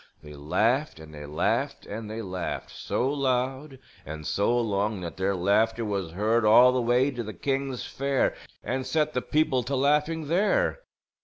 They laughed and they laughed and they laughed, so loud and so long that their laughter was heard all the way to the king's fair and set the people to laughing there.